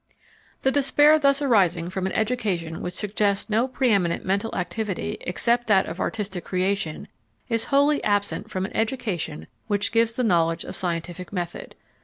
The despair thus arising from an education which suggests no pre eminent mental activity except that of artistic creation is wholly absent from an education which gives the knowledge of scientific method.